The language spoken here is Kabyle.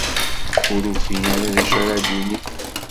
Ur ufin ara d acu ara d-inin.